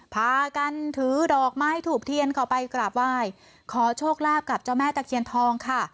พากันถือดอกไม้ถูกเทียนเข้าไปกราบไหว้ขอโชคลาภกับเจ้าแม่ตะเคียนทองค่ะ